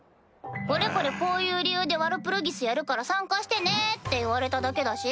これこれこういう理由でワルプルギスやるから参加してねって言われただけだし？